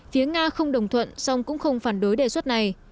phía nga không đồng thuận song cũng không phản đối đề xuất này